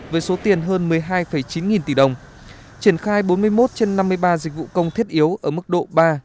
với số tiền hơn một mươi hai chín nghìn tỷ đồng triển khai bốn mươi một trên năm mươi ba dịch vụ công thiết yếu ở mức độ ba bốn